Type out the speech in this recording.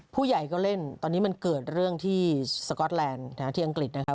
ผู้ใหญ่ก็เล่นตอนนี้มันเกิดเรื่องที่สก๊อตแลนด์ที่อังกฤษนะครับ